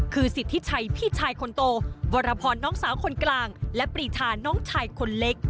คือสิทธิชัยพี่ชายคนโตวรพรน้องสาวคนกลางและปรีชาน้องชายคนเล็ก